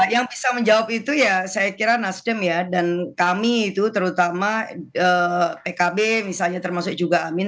yang bisa menjawab itu ya saya kira nasdem ya dan kami itu terutama pkb misalnya termasuk juga amin